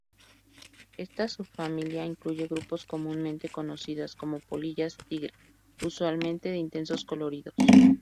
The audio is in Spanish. Esta subfamilia incluye grupos comúnmente conocidas como polillas tigre, usualmente de intensos coloridos.